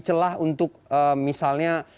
celah untuk misalnya